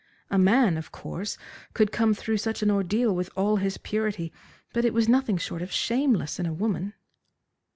A man, of course, could come through such an ordeal with all his purity, but it was nothing short of shameless in a woman.